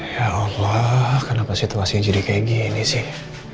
ya allah kenapa situasinya jadi kayak gini sih